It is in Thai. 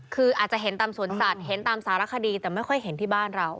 คืออาจจะเห็นตามสวนสัตว์เห็นตามสารคดีแต่ไม่ค่อยเห็นที่บ้านเรา